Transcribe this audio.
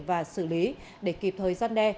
và xử lý để kịp thời gian đe